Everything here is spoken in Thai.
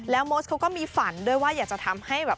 โมสเขาก็มีฝันด้วยว่าอยากจะทำให้แบบ